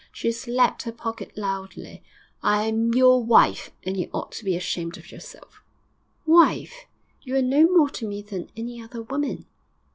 She slapped her pocket loudly. 'I'm your wife, and you ought to be ashamed of yourself.' 'Wife! You are no more to me than any other woman!'